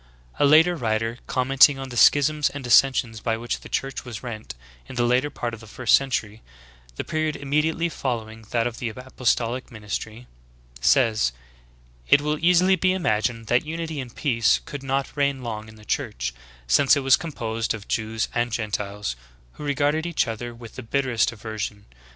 19. A later writer commenting on the schisms and dis sensions by which the Church Vv^as rent in the latter part of the first century — the period immediately following that of the apostolic ministry, says : 'Tt will easily be imagined that unity and peace could not reign long in the Church, since it was composed of Jews and Gentiles, who regarded each other with the bitterest aversion.